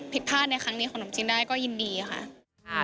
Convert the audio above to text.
ผิดพลาดในครั้งนี้ขนมจีนได้ก็ยินดีค่ะ